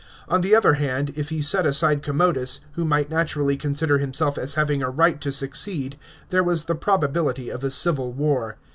On the other hand, if he set aside Commodus, who might naturally consider himself as having a right to succied, there was the probability of a civil war.